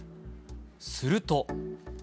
すると。